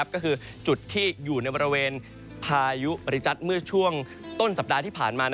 ก็คือจุดที่อยู่ในบริเวณพายุบริจัทเมื่อช่วงต้นสัปดาห์ที่ผ่านมา